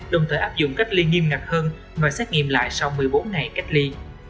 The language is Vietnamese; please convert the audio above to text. đồng thời áp dụng cách ly nghiêm ngặt hơn và xét nghiệm lại sau một mươi bốn ngày cách ly